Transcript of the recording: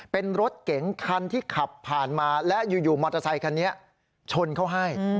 เป็นรถเก๋งคันที่ขับผ่านมาและอยู่มอเตอร์ไซคันนี้ชนเขาให้